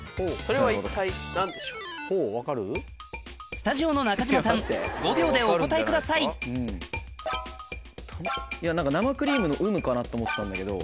スタジオの中島さん５秒でお答えくださいかなと思ったんだけど。